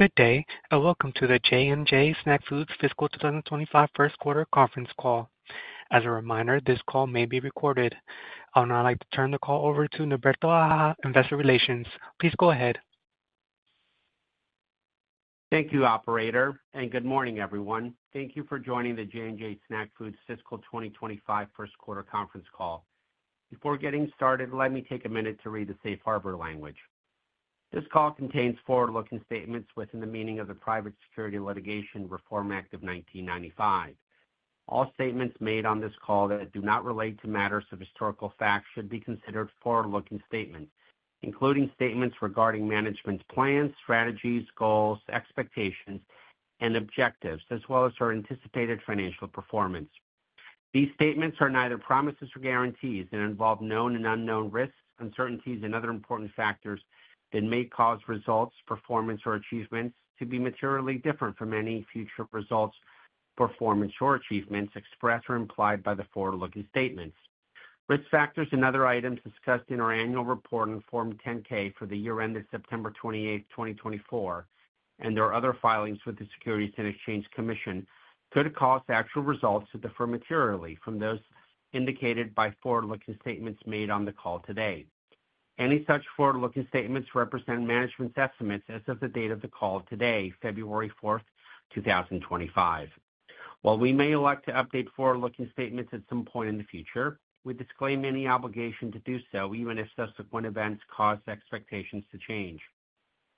Good day and welcome to the J&J Snack Foods Fiscal 2025 First Quarter Conference Call. As a reminder, this call may be recorded. I would now like to turn the call over to Norberto Aja, Investor Relations. Please go ahead. Thank you, Operator, and good morning, everyone. Thank you for joining the J&J Snack Foods Fiscal 2025 First Quarter Conference Call. Before getting started, let me take a minute to read the safe harbor language. This call contains forward-looking statements within the meaning of the Private Securities Litigation Reform Act of 1995. All statements made on this call that do not relate to matters of historical fact should be considered forward-looking statements, including statements regarding management's plans, strategies, goals, expectations, and objectives, as well as her anticipated financial performance. These statements are neither promises or guarantees and involve known and unknown risks, uncertainties, and other important factors that may cause results, performance, or achievements to be materially different from any future results, performance, or achievements expressed or implied by the forward-looking statements. Risk factors and other items discussed in our annual report on Form 10-K for the year ended September 28, 2024, and their other filings with the Securities and Exchange Commission could cause actual results to differ materially from those indicated by forward-looking statements made on the call today. Any such forward-looking statements represent management's estimates as of the date of the call today, February 4, 2025. While we may elect to update forward-looking statements at some point in the future, we disclaim any obligation to do so even if subsequent events cause expectations to change.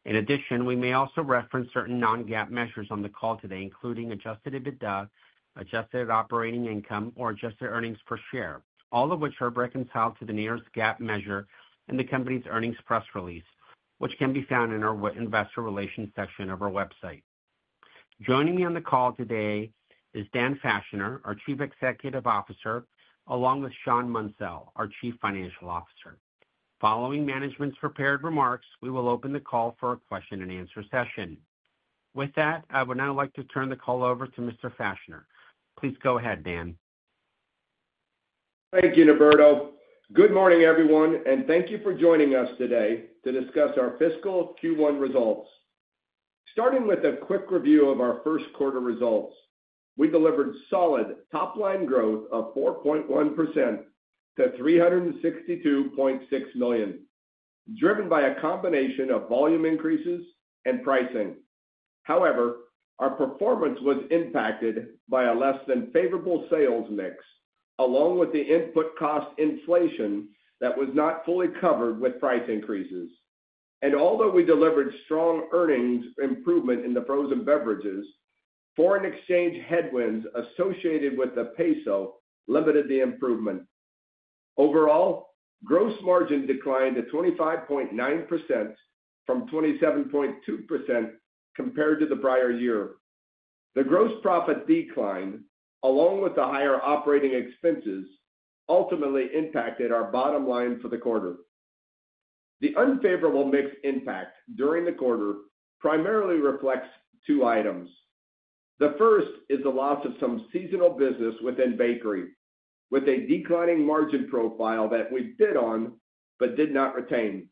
In addition, we may also reference certain non-GAAP measures on the call today, including adjusted EBITDA, adjusted operating income, or adjusted earnings per share, all of which are reconciled to the nearest GAAP measure and the company's earnings press release, which can be found in our Investor Relations section of our website. Joining me on the call today is Dan Fachner, our Chief Executive Officer, along with Shawn Munsell, our Chief Financial Officer. Following management's prepared remarks, we will open the call for a question-and-answer session. With that, I would now like to turn the call over to Mr. Fachner. Please go ahead, Dan. Thank you, Norberto. Good morning, everyone, and thank you for joining us today to discuss our fiscal Q1 results. Starting with a quick review of our first quarter results, we delivered solid top-line growth of 4.1% to $362.6 million, driven by a combination of volume increases and pricing. However, our performance was impacted by a less than favorable sales mix, along with the input cost inflation that was not fully covered with price increases. And although we delivered strong earnings improvement in the frozen beverages, foreign exchange headwinds associated with the peso limited the improvement. Overall, gross margin declined to 25.9% from 27.2% compared to the prior year. The gross profit decline, along with the higher operating expenses, ultimately impacted our bottom line for the quarter. The unfavorable mix impact during the quarter primarily reflects two items. The first is the loss of some seasonal business within bakery, with a declining margin profile that we bid on but did not retain.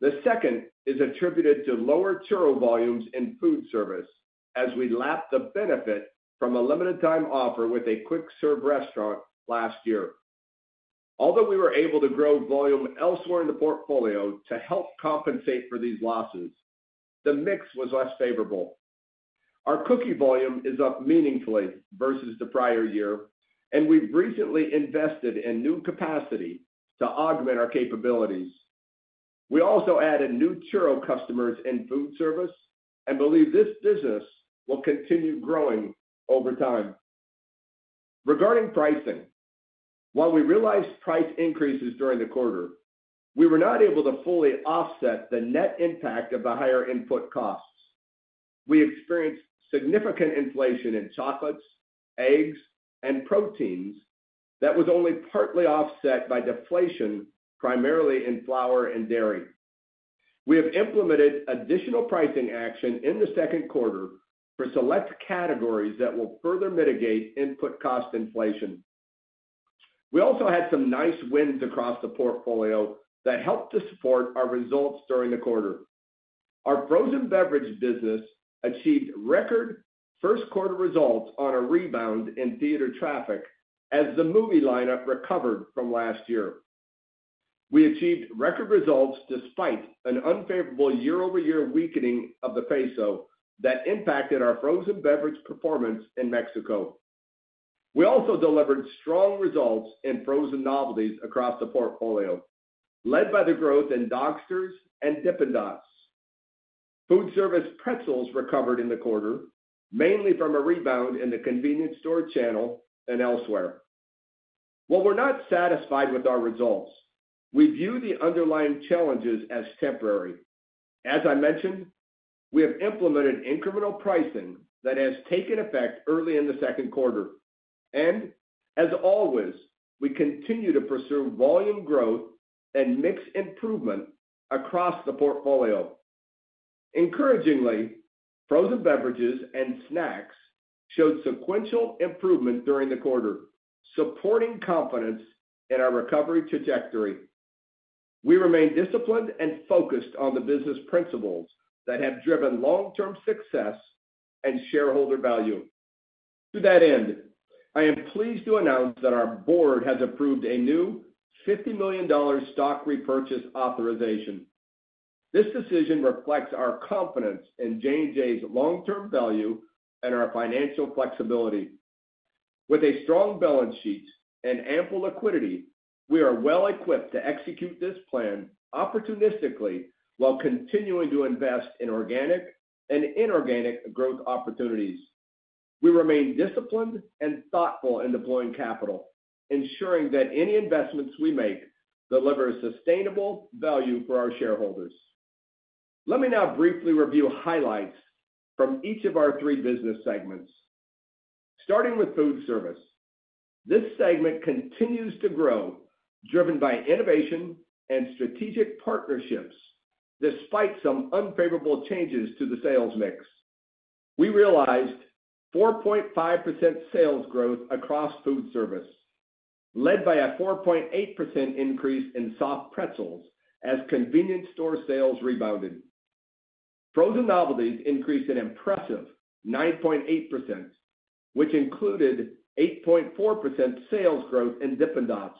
The second is attributed to lower churro volumes in food service as we lapped the benefit from a limited-time offer with a quick-serve restaurant last year. Although we were able to grow volume elsewhere in the portfolio to help compensate for these losses, the mix was less favorable. Our cookie volume is up meaningfully versus the prior year, and we've recently invested in new capacity to augment our capabilities. We also added new churro customers in food service and believe this business will continue growing over time. Regarding pricing, while we realized price increases during the quarter, we were not able to fully offset the net impact of the higher input costs. We experienced significant inflation in chocolates, eggs, and proteins that was only partly offset by deflation primarily in flour and dairy. We have implemented additional pricing action in the second quarter for select categories that will further mitigate input cost inflation. We also had some nice wins across the portfolio that helped to support our results during the quarter. Our frozen beverage business achieved record first quarter results on a rebound in theater traffic as the movie lineup recovered from last year. We achieved record results despite an unfavorable year-over-year weakening of the peso that impacted our frozen beverage performance in Mexico. We also delivered strong results in frozen novelties across the portfolio, led by the growth in Dogsters and Dippin' Dots. Foodservice Pretzels recovered in the quarter, mainly from a rebound in the convenience store channel and elsewhere. While we're not satisfied with our results, we view the underlying challenges as temporary. As I mentioned, we have implemented incremental pricing that has taken effect early in the second quarter. And as always, we continue to pursue volume growth and mix improvement across the portfolio. Encouragingly, frozen beverages and snacks showed sequential improvement during the quarter, supporting confidence in our recovery trajectory. We remain disciplined and focused on the business principles that have driven long-term success and shareholder value. To that end, I am pleased to announce that our board has approved a new $50 million stock repurchase authorization. This decision reflects our confidence in J&J's long-term value and our financial flexibility. With a strong balance sheet and ample liquidity, we are well equipped to execute this plan opportunistically while continuing to invest in organic and inorganic growth opportunities. We remain disciplined and thoughtful in deploying capital, ensuring that any investments we make deliver sustainable value for our shareholders. Let me now briefly review highlights from each of our three business segments. Starting with Foodservice, this segment continues to grow, driven by innovation and strategic partnerships despite some unfavorable changes to the sales mix. We realized 4.5% sales growth across food service, led by a 4.8% increase in Soft Pretzels as convenience store sales rebounded. Frozen novelties increased an impressive 9.8%, which included 8.4% sales growth in Dippin' Dots,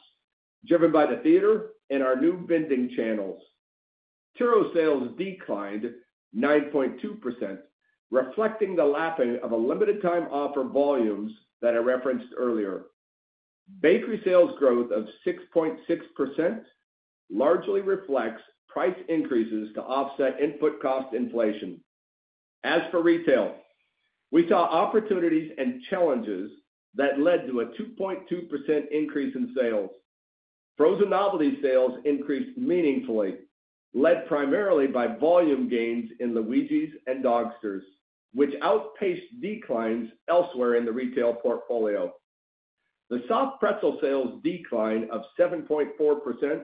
driven by the theater and our new vending channels. Churro sales declined 9.2%, reflecting the lapping of a limited-time offer volumes that I referenced earlier. Bakery sales growth of 6.6% largely reflects price increases to offset input cost inflation. As for Retail, we saw opportunities and challenges that led to a 2.2% increase in sales. Frozen novelty sales increased meaningfully, led primarily by volume gains in LUIGI'S and Dogsters, which outpaced declines elsewhere in the retail portfolio. The Soft Pretzel sales decline of 7.4%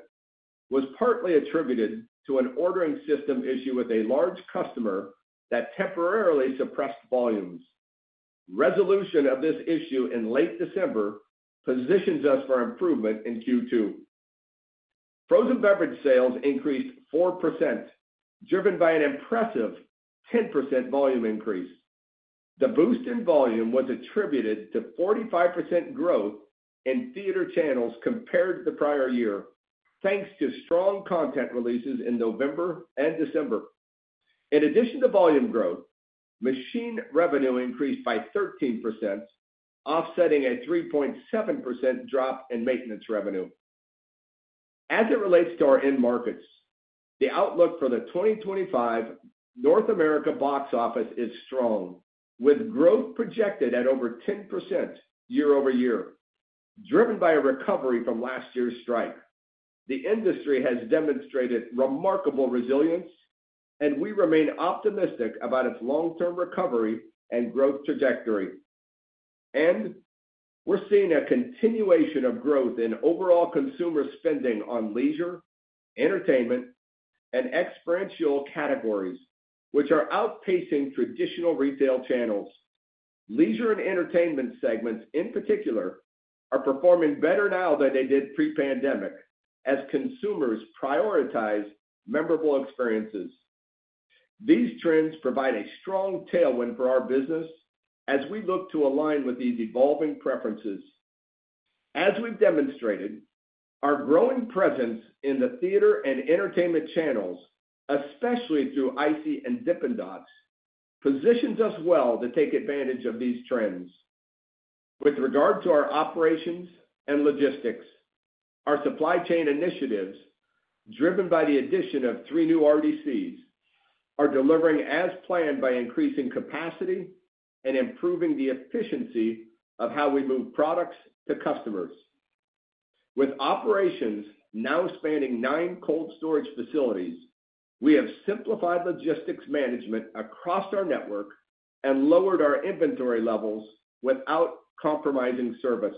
was partly attributed to an ordering system issue with a large customer that temporarily suppressed volumes. Resolution of this issue in late December positions us for improvement in Q2. Frozen beverage sales increased 4%, driven by an impressive 10% volume increase. The boost in volume was attributed to 45% growth in theater channels compared to the prior year, thanks to strong content releases in November and December. In addition to volume growth, machine revenue increased by 13%, offsetting a 3.7% drop in maintenance revenue. As it relates to our end markets, the outlook for the 2025 North America box office is strong, with growth projected at over 10% year-over-year, driven by a recovery from last year's strike. The industry has demonstrated remarkable resilience, and we remain optimistic about its long-term recovery and growth trajectory, and we're seeing a continuation of growth in overall consumer spending on leisure, entertainment, and experiential categories, which are outpacing traditional retail channels. Leisure and Entertainment segments, in particular, are performing better now than they did pre-pandemic as consumers prioritize memorable experiences. These trends provide a strong tailwind for our business as we look to align with these evolving preferences. As we've demonstrated, our growing presence in the theater and entertainment channels, especially through ICEE and Dippin' Dots, positions us well to take advantage of these trends. With regard to our operations and logistics, our supply chain initiatives, driven by the addition of three new RDCs, are delivering as planned by increasing capacity and improving the efficiency of how we move products to customers. With operations now spanning nine cold storage facilities, we have simplified logistics management across our network and lowered our inventory levels without compromising service.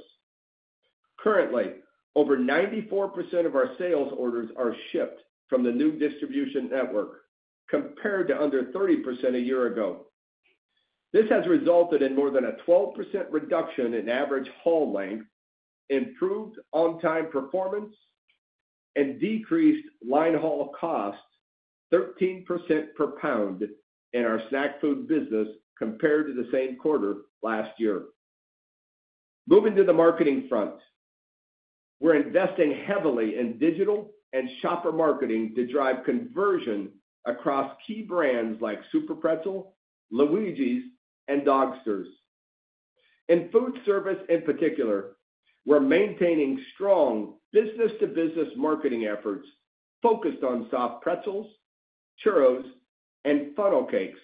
Currently, over 94% of our sales orders are shipped from the new distribution network, compared to under 30% a year ago. This has resulted in more than a 12% reduction in average haul length, improved on-time performance, and decreased line haul costs 13% per pound in our snack food business compared to the same quarter last year. Moving to the marketing front, we're investing heavily in digital and shopper marketing to drive conversion across key brands like SUPERPRETZEL, LUIGI'S, and Dogsters. In food service in particular, we're maintaining strong business-to-business marketing efforts focused on Soft Pretzels, Churros, and Funnel Cakes,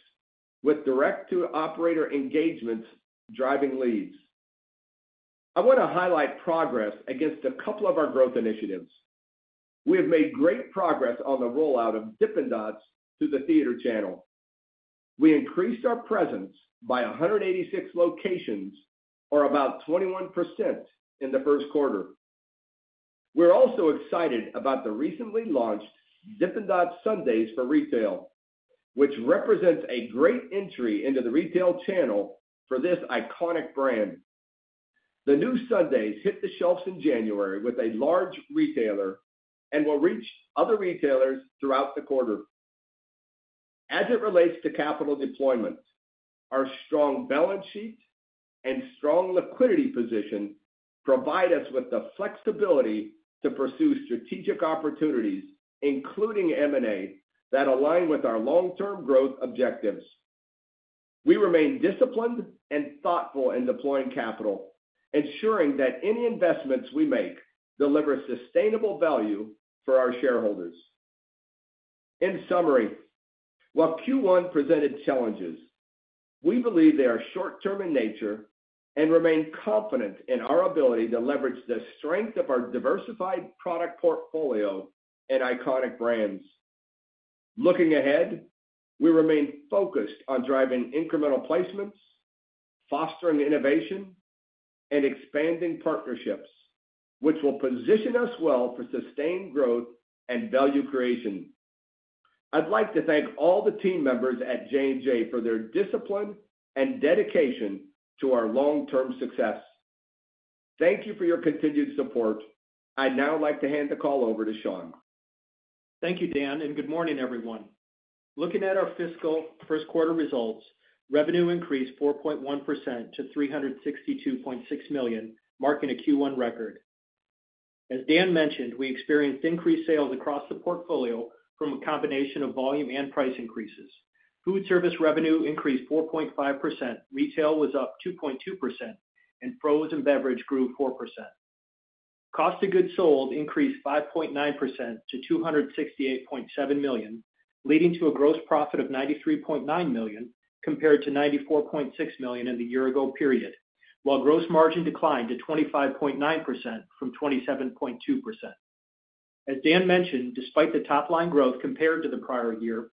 with direct-to-operator engagements driving leads. I want to highlight progress against a couple of our growth initiatives. We have made great progress on the rollout of Dippin' Dots to the theater channel. We increased our presence by 186 locations, or about 21% in the first quarter. We're also excited about the recently launched Dippin' Dots Sundaes for retail, which represents a great entry into the Retail channel for this iconic brand. The new Sundaes hit the shelves in January with a large retailer and will reach other retailers throughout the quarter. As it relates to capital deployment, our strong balance sheet and strong liquidity position provide us with the flexibility to pursue strategic opportunities, including M&A, that align with our long-term growth objectives. We remain disciplined and thoughtful in deploying capital, ensuring that any investments we make deliver sustainable value for our shareholders. In summary, while Q1 presented challenges, we believe they are short-term in nature and remain confident in our ability to leverage the strength of our diversified product portfolio and iconic brands. Looking ahead, we remain focused on driving incremental placements, fostering innovation, and expanding partnerships, which will position us well for sustained growth and value creation. I'd like to thank all the team members at J&J for their discipline and dedication to our long-term success. Thank you for your continued support. I'd now like to hand the call over to Shawn. Thank you, Dan, and good morning, everyone. Looking at our fiscal first quarter results, revenue increased 4.1% to $362.6 million, marking a Q1 record. As Dan mentioned, we experienced increased sales across the portfolio from a combination of volume and price increases. Foodservice revenue increased 4.5%, Retail was up 2.2%, and frozen beverage grew 4%. Cost of Goods Sold increased 5.9% to $268.7 million, leading to a gross profit of $93.9 million compared to $94.6 million in the year-ago period, while gross margin declined to 25.9% from 27.2%. As Dan mentioned, despite the top-line growth compared to the prior year,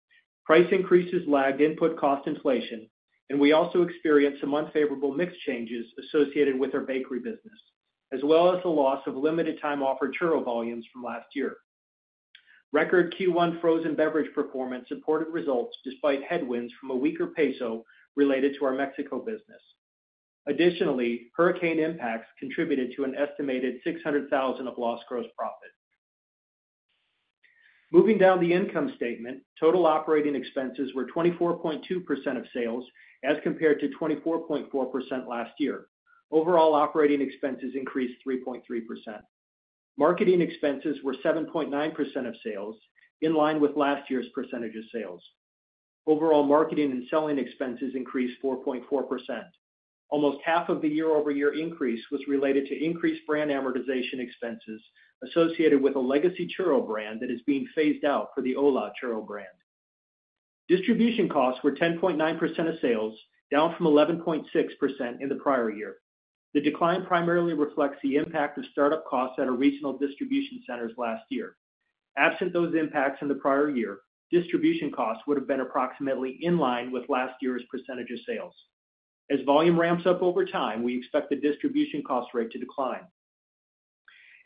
price increases lagged input cost inflation, and we also experienced some unfavorable mix changes associated with our bakery business, as well as the loss of limited-time offer churro volumes from last year. Record Q1 frozen beverage performance supported results despite headwinds from a weaker peso related to our Mexico business. Additionally, hurricane impacts contributed to an estimated $600,000 of lost gross profit. Moving down the income statement, total operating expenses were 24.2% of sales as compared to 24.4% last year. Overall operating expenses increased 3.3%. Marketing expenses were 7.9% of sales, in line with last year's percentage of sales. Overall marketing and selling expenses increased 4.4%. Almost half of the year-over-year increase was related to increased brand amortization expenses associated with a legacy Churro brand that is being phased out for the ¡Hola! Churro brand. Distribution costs were 10.9% of sales, down from 11.6% in the prior year. The decline primarily reflects the impact of startup costs at our regional distribution centers last year. Absent those impacts in the prior year, distribution costs would have been approximately in line with last year's percentage of sales. As volume ramps up over time, we expect the distribution cost rate to decline.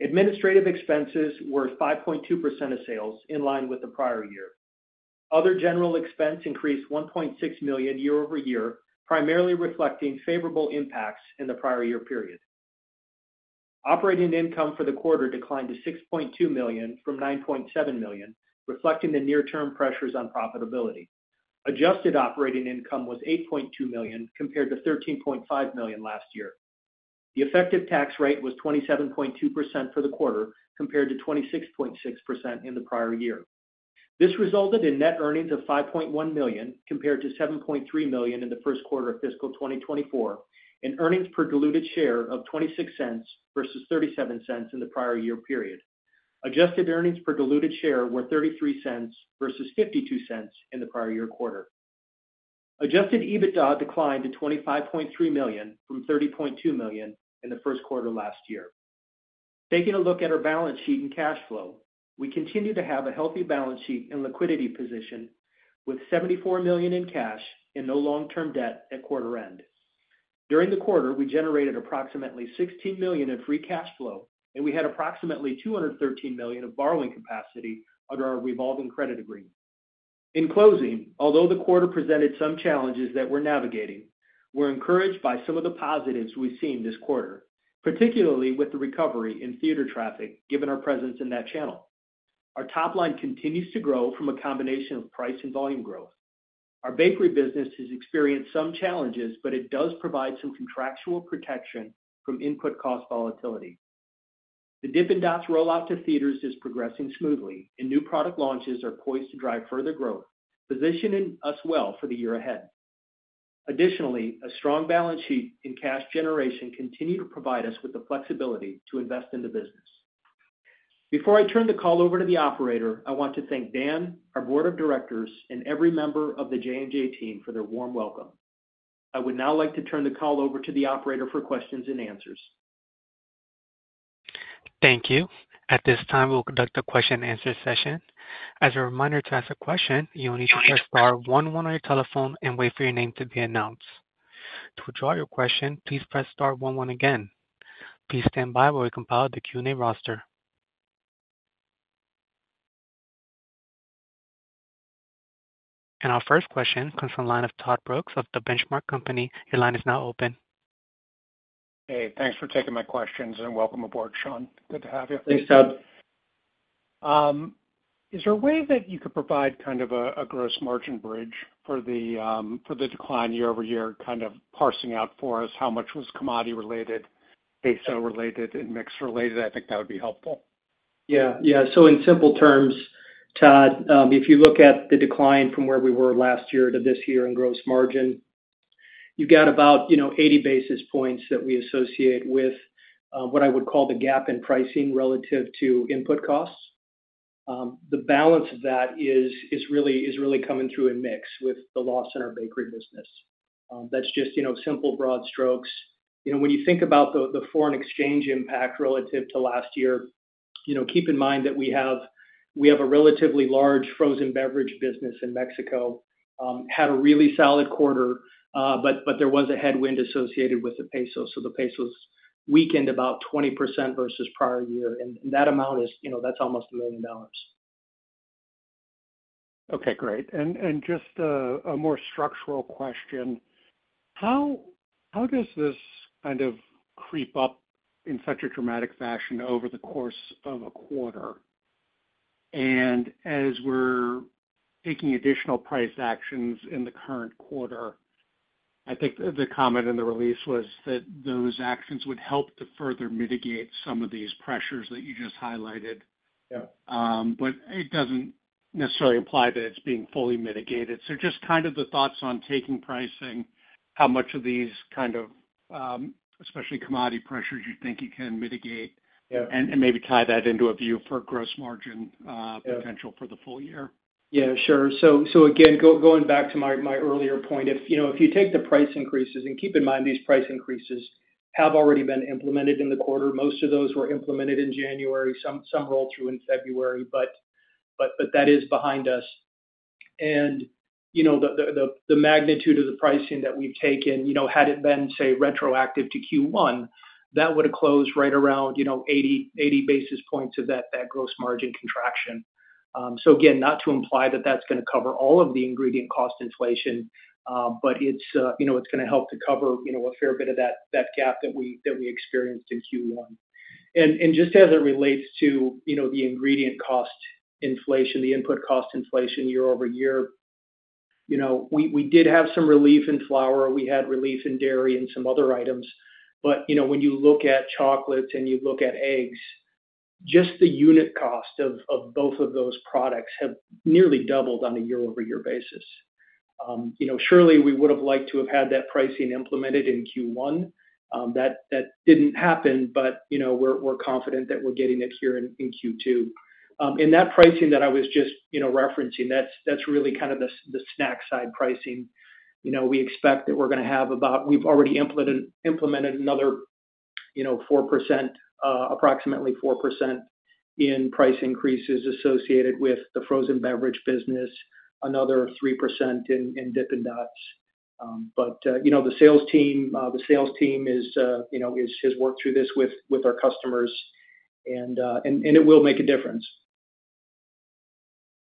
Administrative expenses were 5.2% of sales, in line with the prior year. Other general expense increased $1.6 million year-over-year, primarily reflecting favorable impacts in the prior year period. Operating income for the quarter declined to $6.2 million from $9.7 million, reflecting the near-term pressures on profitability. Adjusted Operating Income was $8.2 million compared to $13.5 million last year. The effective tax rate was 27.2% for the quarter compared to 26.6% in the prior year. This resulted in net earnings of $5.1 million compared to $7.3 million in the first quarter of fiscal 2024, and earnings per diluted share of $0.26 versus $0.37 in the prior year period. Adjusted earnings per diluted share were $0.33 versus $0.52 in the prior year quarter. Adjusted EBITDA declined to $25.3 million from $30.2 million in the first quarter last year. Taking a look at our balance sheet and cash flow, we continue to have a healthy balance sheet and liquidity position, with $74 million in cash and no long-term debt at quarter end. During the quarter, we generated approximately $16 million in free cash flow, and we had approximately $213 million of borrowing capacity under our Revolving Credit Agreement. In closing, although the quarter presented some challenges that we're navigating, we're encouraged by some of the positives we've seen this quarter, particularly with the recovery in theater traffic, given our presence in that channel. Our top line continues to grow from a combination of price and volume growth. Our Bakery business has experienced some challenges, but it does provide some contractual protection from input cost volatility. The Dippin' Dots rollout to theaters is progressing smoothly, and new product launches are poised to drive further growth, positioning us well for the year ahead. Additionally, a strong balance sheet and cash generation continue to provide us with the flexibility to invest in the business. Before I turn the call over to the operator, I want to thank Dan, our board of directors, and every member of the J&J team for their warm welcome. I would now like to turn the call over to the operator for questions and answers. Thank you. At this time, we'll conduct a question-and-answer session. As a reminder to ask a question, you'll need to press star one one on your telephone and wait for your name to be announced. To withdraw your question, please press star one one again. Please stand by while we compile the Q&A roster. And our first question comes from the line of Todd Brooks of The Benchmark Company. Your line is now open. Hey, thanks for taking my questions and welcome aboard, Shawn. Good to have you. Thanks, Todd. Is there a way that you could provide kind of a gross margin bridge for the decline year-over-year, kind of parsing out for us how much was commodity-related, peso-related, and mix-related? I think that would be helpful. Yeah, yeah. So, in simple terms, Todd, if you look at the decline from where we were last year to this year in gross margin, you've got about 80 basis points that we associate with what I would call the gap in pricing relative to input costs. The balance of that is really coming through in mix with the loss in our bakery business. That's just simple broad strokes. When you think about the foreign exchange impact relative to last year, keep in mind that we have a relatively large frozen beverage business in Mexico, had a really solid quarter, but there was a headwind associated with the peso. So the peso's weakened about 20% versus prior year. And that amount is, that's almost $1 million. Okay, great. And just a more structural question. How does this kind of creep up in such a dramatic fashion over the course of a quarter? And as we're taking additional price actions in the current quarter, I think the comment in the release was that those actions would help to further mitigate some of these pressures that you just highlighted. But it doesn't necessarily imply that it's being fully mitigated. So, just kind of the thoughts on taking pricing, how much of these kind of, especially commodity pressures, you think you can mitigate and maybe tie that into a view for gross margin potential for the full year? Yeah, sure. So again, going back to my earlier point, if you take the price increases, and keep in mind these price increases have already been implemented in the quarter. Most of those were implemented in January, some rolled through in February, but that is behind us. And the magnitude of the pricing that we've taken, had it been, say, retroactive to Q1, that would have closed right around 80 basis points of that gross margin contraction. So again, not to imply that that's going to cover all of the ingredient cost inflation, but it's going to help to cover a fair bit of that gap that we experienced in Q1. And just as it relates to the ingredient cost inflation, the input cost inflation year-over-year, we did have some relief in flour. We had relief in dairy and some other items. But when you look at chocolates and you look at eggs, just the unit cost of both of those products have nearly doubled on a year-over-year basis. Surely, we would have liked to have had that pricing implemented in Q1. That didn't happen, but we're confident that we're getting it here in Q2. And that pricing that I was just referencing, that's really kind of the snack side pricing. We expect that we're going to have about, we've already implemented another 4%, approximately 4% in price increases associated with the frozen beverage business, another 3% in Dippin' Dots. But the sales team has worked through this with our customers, and it will make a difference.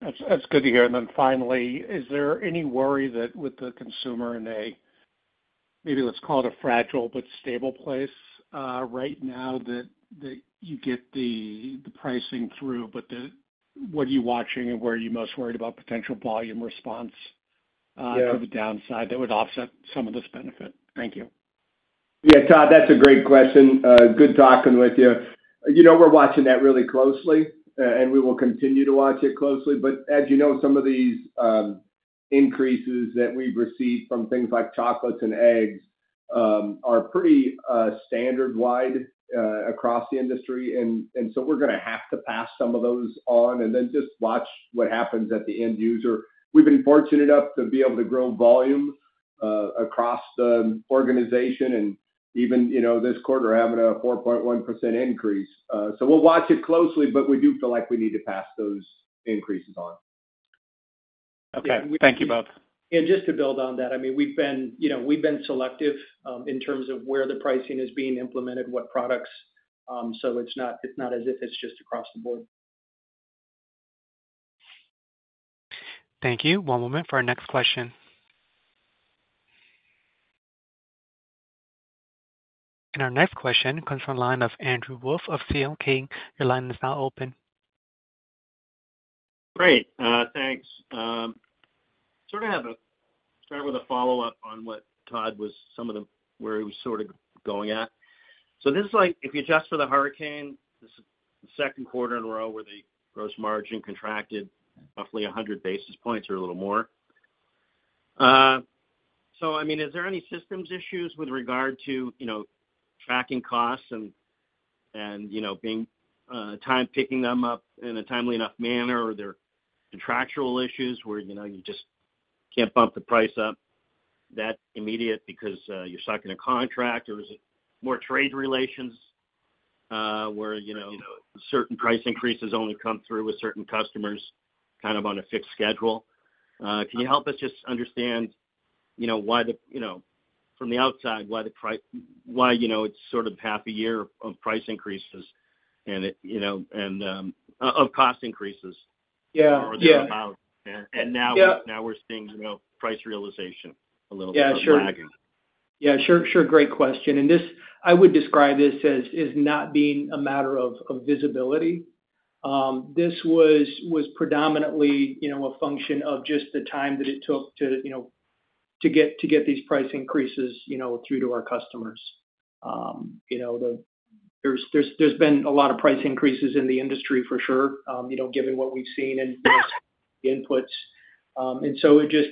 That's good to hear. And then finally, is there any worry that with the consumer in a, maybe let's call it a fragile but stable place right now, that you get the pricing through, but what are you watching and where are you most worried about potential volume response to the downside that would offset some of this benefit? Thank you. Yeah, Todd, that's a great question. Good talking with you. We're watching that really closely, and we will continue to watch it closely. But as you know, some of these increases that we've received from things like chocolates and eggs are pretty standard-wide across the industry. And so we're going to have to pass some of those on and then just watch what happens at the end user. We've been fortunate enough to be able to grow volume across the organization and even this quarter having a 4.1% increase. We'll watch it closely, but we do feel like we need to pass those increases on. Okay, thank you both. And just to build on that, I mean, we've been selective in terms of where the pricing is being implemented, what products. So, it's not as if it's just across the board. Thank you. One moment for our next question. And our next question comes from the line of Andrew Wolf of C.L. King. Your line is now open. Great. Thanks. Sort of have a start with a follow-up on what Todd was, some of the where he was sort of going at. So this is like, if you adjust for the hurricane, this is the second quarter in a row where the gross margin contracted roughly 100 basis points or a little more. So, I mean, is there any systems issues with regard to tracking costs and being timely picking them up in a timely enough manner, or there are contractual issues where you just can't bump the price up immediately because you're stuck in a contract, or is it more trade relations where certain price increases only come through with certain customers kind of on a fixed schedule? Can you help us just understand why the, from the outside, why the price, why it's sort of half a year of price increases and of cost increases? Yeah, yeah. And now we're seeing price realization a little bit more lagging. Yeah, sure. Yeah, sure. Great question. And I would describe this as not being a matter of visibility. This was predominantly a function of just the time that it took to get these price increases through to our customers. There's been a lot of price increases in the industry for sure, given what we've seen in the inputs. And so it just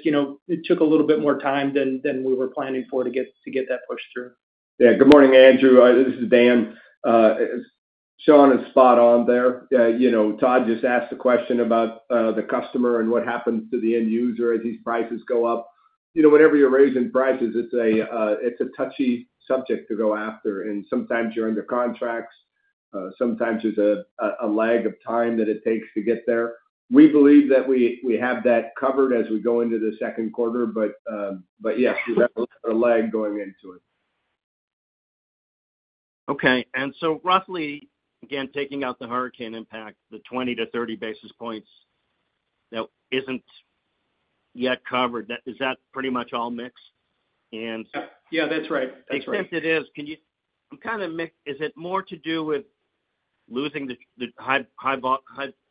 took a little bit more time than we were planning for to get that pushed through. Yeah. Good morning, Andrew. This is Dan. Shawn is spot on there. Todd just asked a question about the customer and what happens to the end user as these prices go up. Whenever you're raising prices, it's a touchy subject to go after. And sometimes you're under contracts. Sometimes there's a lag of time that it takes to get there. We believe that we have that covered as we go into the second quarter. But yes, we've got a little bit of a lag going into it. Okay. And so roughly, again, taking out the hurricane impact, the 20-30 basis points that isn't yet covered, is that pretty much all mixed? And... Yeah, that's right. That's right. The extent it is, can you kind of mix, is it more to do with losing the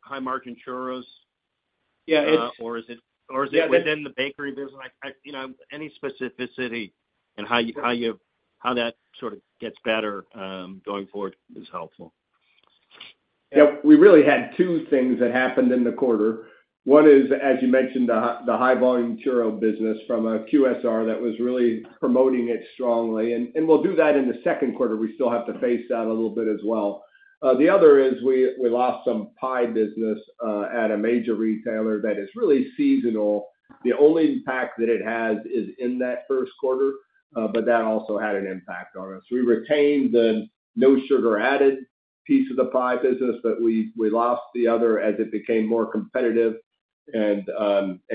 high-margin Churros? Yeah. Or is it within the Bakery business? Any specificity in how that sort of gets better going forward is helpful. Yeah. We really had two things that happened in the quarter. One is, as you mentioned, the high-volume Churro business from a QSR that was really promoting it strongly. And we'll do that in the second quarter. We still have to phase that a little bit as well. The other is we lost some pie business at a major retailer that is really seasonal. The only impact that it has is in that first quarter, but that also had an impact on us. We retained the No Sugar Added piece of the pie business, but we lost the other as it became more competitive, and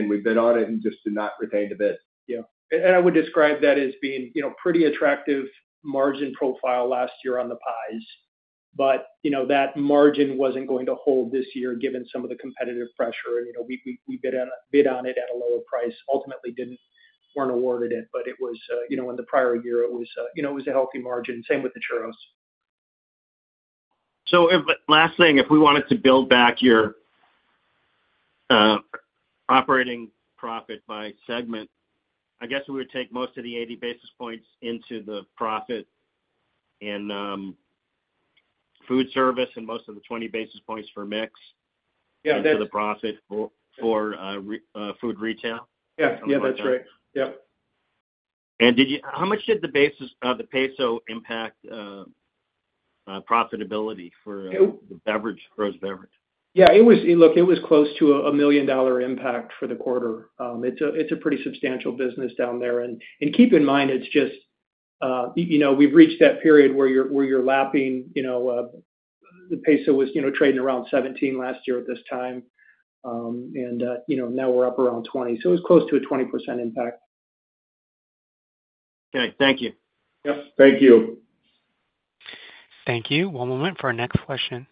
we bid on it and just did not retain the bid. Yeah. And I would describe that as being pretty attractive margin profile last year on the pies, but that margin wasn't going to hold this year given some of the competitive pressure, and we bid on it at a lower price. Ultimately, weren't awarded it, but it was in the prior year, it was a healthy margin. Same with the churros. Last thing, if we wanted to build back your operating profit by segment, I guess we would take most of the 80 basis points into the profit in Foodservice and most of the 20 basis points for mix into the profit for food retail. Yeah. Yeah, that's right. Yep. And how much did the peso impact profitability for the beverage, frozen beverage? Yeah. Look, it was close to a $1 million impact for the quarter. It's a pretty substantial business down there. And keep in mind, it's just we've reached that period where you're lapping. The peso was trading around 17 last year at this time. And now we're up around 20. So, it was close to a 20% impact. Okay. Thank you. Yep. Thank you. Thank you. One moment for our next question.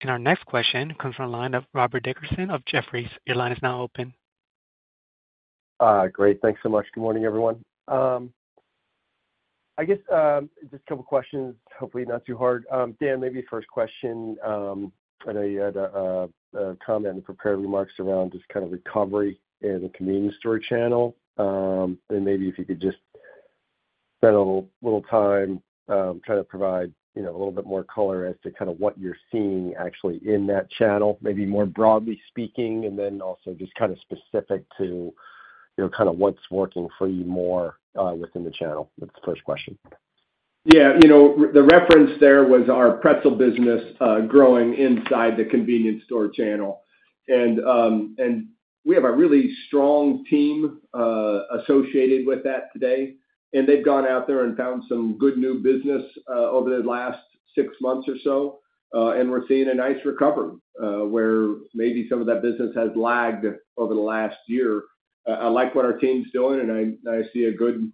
And our next question comes from the line of Robert Dickerson of Jefferies. Your line is now open. Great. Thanks so much. Good morning, everyone. I guess just a couple of questions, hopefully not too hard. Dan, maybe first question. I know you had a comment and prepared remarks around just kind of recovery in the convenience store channel. And maybe if you could just spend a little time trying to provide a little bit more color as to kind of what you're seeing actually in that channel, maybe more broadly speaking, and then also just kind of specific to kind of what's working for you more within the channel. That's the first question. Yeah. The reference there was our pretzel business growing inside the convenience store channel. And we have a really strong team associated with that today. And they've gone out there and found some good new business over the last six months or so. We're seeing a nice recovery where maybe some of that business has lagged over the last year. I like what our team's doing, and I see a good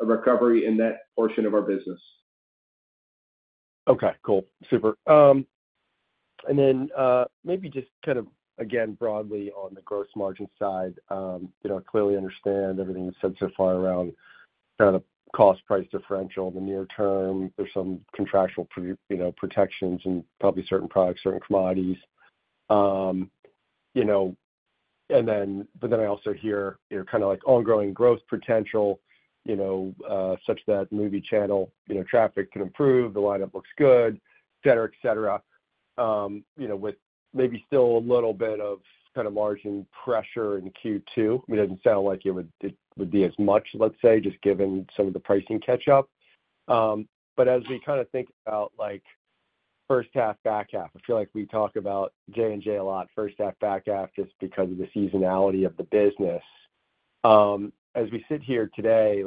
recovery in that portion of our business. Okay. Cool. Super. And then maybe just kind of, again, broadly on the gross margin side, I clearly understand everything you've said so far around kind of the cost-price differential in the near term. There's some contractual protections in probably certain products, certain commodities. But then I also hear kind of like ongoing growth potential such that movie channel traffic can improve, the lineup looks good, etc., etc., with maybe still a little bit of kind of margin pressure in Q2. I mean, it doesn't sound like it would be as much, let's say, just given some of the pricing catch-up. But as we kind of think about first half, back half, I feel like we talk about J&J a lot, first half, back half, just because of the seasonality of the business. As we sit here today,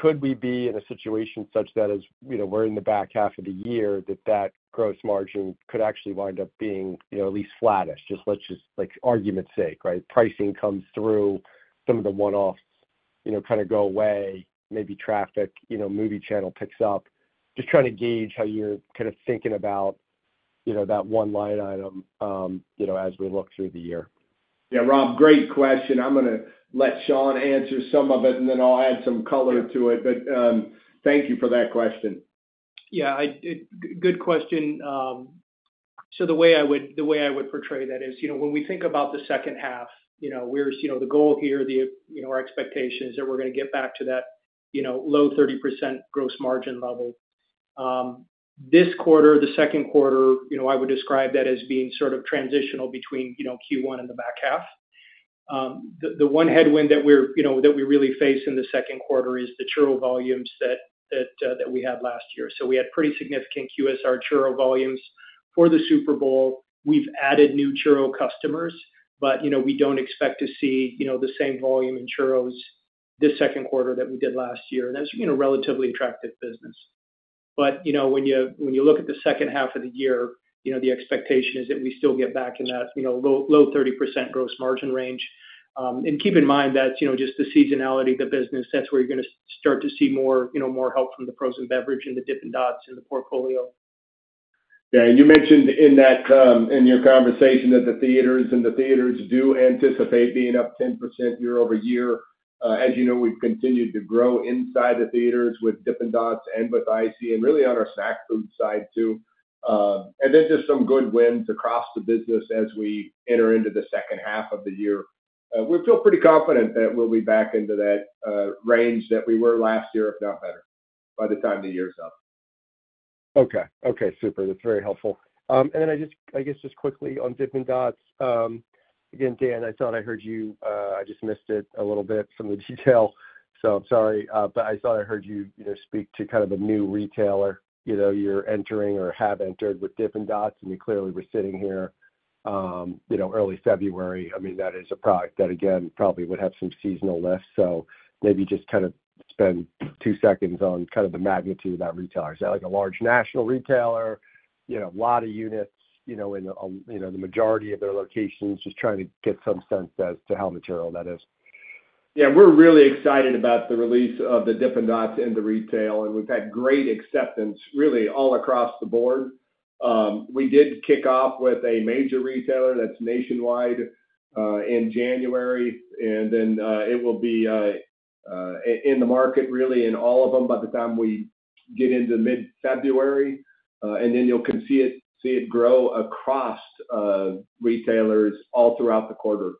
could we be in a situation such that as we're in the back half of the year, that that gross margin could actually wind up being at least flattish, just for argument's sake, right? Pricing comes through, some of the one-offs kind of go away, maybe traffic, movie channel picks up. Just trying to gauge how you're kind of thinking about that one line item as we look through the year. Yeah, Rob, great question. I'm going to let Shawn answer some of it, and then I'll add some color to it. but thank you for that question. Yeah. Good question. So, the way I would portray that is when we think about the second half, where's the goal here, our expectation is that we're going to get back to that low 30% gross margin level. This quarter, the second quarter, I would describe that as being sort of transitional between Q1 and the back half. The one headwind that we really face in the second quarter is the churro volumes that we had last year. So, we had pretty significant QSR churro volumes for the Super Bowl. We've added new churro customers, but we don't expect to see the same volume in churros this second quarter that we did last year. And that's a relatively attractive business. But when you look at the second half of the year, the expectation is that we still get back in that low 30% gross margin range. And keep in mind that's just the seasonality of the business. That's where you're going to start to see more help from the frozen beverage and the Dippin' Dots in the portfolio. Yeah. And you mentioned in your conversation that the theaters and the theaters do anticipate being up 10% year-over-year. As you know, we've continued to grow inside the theaters with Dippin' Dots and with ICEE, and really on our snack food side too. And then just some good wins across the business as we enter into the second half of the year. We feel pretty confident that we'll be back into that range that we were last year, if not better, by the time the year's up. Okay. Okay. Super. That's very helpful. And then I guess just quickly on Dippin' Dots. Again, Dan, I thought I heard you. I just missed it a little bit from the detail. So, I'm sorry, but I thought I heard you speak to kind of a new retailer you're entering or have entered with Dippin' Dots, and you clearly were sitting here early February. I mean, that is a product that, again, probably would have some seasonal lift, so maybe just kind of spend two seconds on kind of the magnitude of that retailer. Is that like a large national retailer, a lot of units in the majority of their locations, just trying to get some sense as to how material that is? Yeah. We're really excited about the release of the Dippin' Dots in the retail, and we've had great acceptance, really, all across the board. We did kick off with a major retailer that's nationwide in January, and then it will be in the market, really, in all of them by the time we get into mid-February. And then you'll see it grow across retailers all throughout the quarter.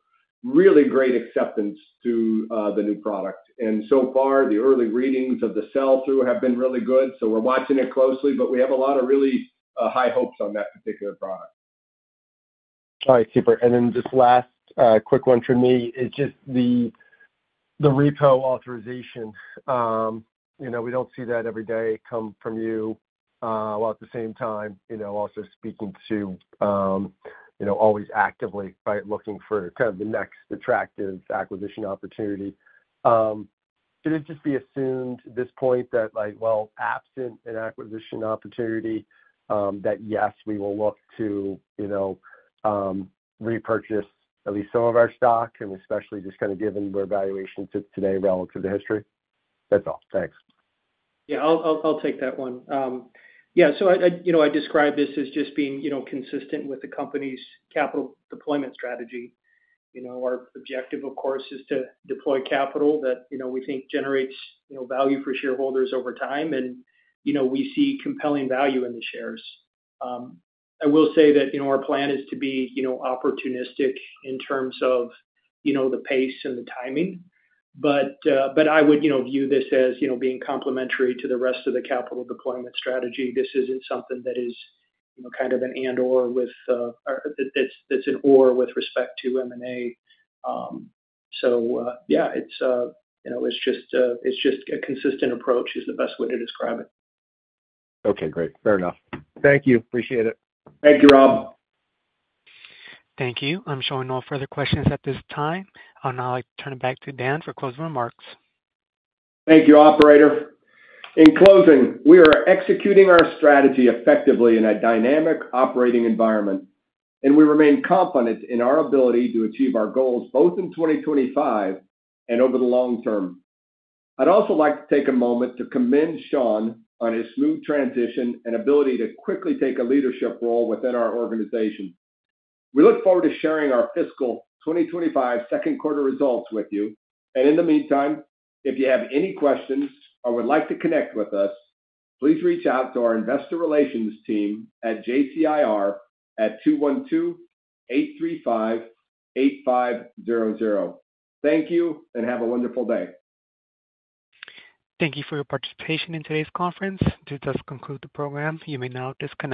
Really great acceptance to the new product. And so far, the early readings of the sell-through have been really good. So, we're watching it closely, but we have a lot of really high hopes on that particular product. All right. Super. And then just last quick one for me is just the repo authorization. We don't see that every day come from you while at the same time also speaking to always actively looking for kind of the next attractive acquisition opportunity. Could it just be assumed at this point that, well, absent an acquisition opportunity, that yes, we will look to repurchase at least some of our stock, and especially just kind of given where valuation sits today relative to history? That's all. Thanks. Yeah. I'll take that one. Yeah. So I describe this as just being consistent with the company's capital deployment strategy. Our objective, of course, is to deploy capital that we think generates value for shareholders over time, and we see compelling value in the shares. I will say that our plan is to be opportunistic in terms of the pace and the timing. But I would view this as being complementary to the rest of the capital deployment strategy. This isn't something that is kind of an and/or that's an or with respect to M&A. So yeah, it's just a consistent approach is the best way to describe it. Okay. Great. Fair enough. Thank you. Appreciate it. Thank you, Rob. Thank you. I'm showing no further questions at this time. I'll now turn it back to Dan for closing remarks. Thank you, operator. In closing, we are executing our strategy effectively in a dynamic operating environment, and we remain confident in our ability to achieve our goals both in 2025 and over the long term. I'd also like to take a moment to commend Shawn on his smooth transition and ability to quickly take a leadership role within our organization. We look forward to sharing our fiscal 2025 second quarter results with you. And in the meantime, if you have any questions or would like to connect with us, please reach out to our investor relations team at JCIR at 212-835-8500. Thank you and have a wonderful day. Thank you for your participation in today's conference. To just conclude the program, you may now disconnect.